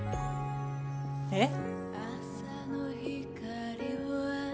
えっ？